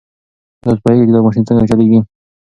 ایا تاسو پوهېږئ چې دا ماشین څنګه چلیږي؟